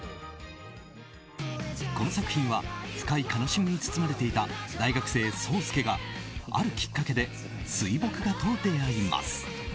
この作品は深い悲しみに包まれていた大学生・霜介が、あるきっかけで水墨画と出会います。